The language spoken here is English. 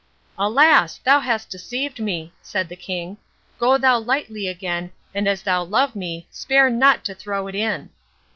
"Alas! thou hast deceived me," said the king. "Go thou lightly again, and as thou love me, spare not to throw it in."